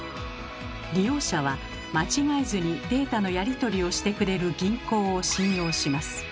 利用者は間違えずにデータのやり取りをしてくれる銀行を信用します。